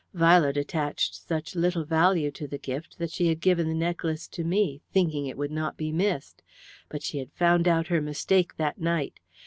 Violet attached such little value to the gift that she had given the necklace to me, thinking it would not be missed, but she had found out her mistake that night.